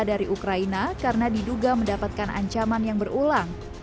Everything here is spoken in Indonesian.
dari ukraina karena diduga mendapatkan ancaman yang berulang